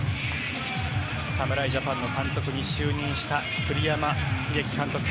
侍ジャパンの監督に就任した栗山英樹監督。